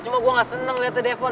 cuma gue gak seneng liatnya devan